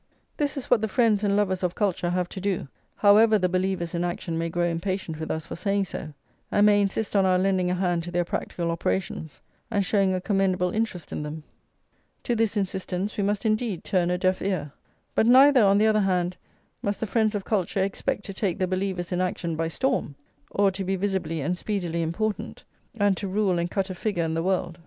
This is what the friends and lovers of culture have to do, however the believers in action may grow impatient with us for saying so, and may insist on our lending a hand to their practical operations, and showing a commendable interest in them. To this insistence we must indeed turn a deaf ear. But neither, on the other hand, must the friends of culture expect to take the believers in action by storm, or to be visibly and speedily important, and to rule and cut a figure in the world.